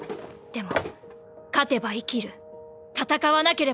でも、勝てば生きる。